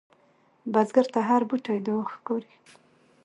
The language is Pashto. بزګر ته هره بوټۍ دعا ښکاري